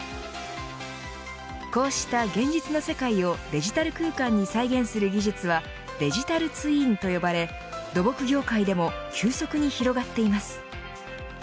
こうした現実の世界をデジタル空間に再現する技術はデジタルツインと呼ばれ土木業界でも急速に広がっています。